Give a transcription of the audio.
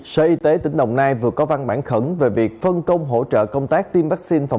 sở y tế tỉnh đồng nai vừa có văn bản khẩn về việc phân công hỗ trợ công tác tiêm vaccine phòng